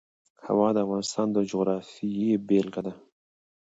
هوا د افغانستان د جغرافیې بېلګه ده.